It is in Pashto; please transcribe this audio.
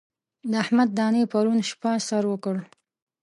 د احمد دانې پرون شپه سر وکړ.